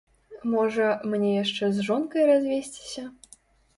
Можа, мне яшчэ з жонкай развесціся?